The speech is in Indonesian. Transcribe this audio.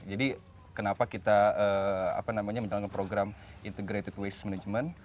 jadi kenapa kita menjalankan program integrated waste management